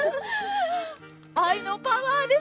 愛のパワーです。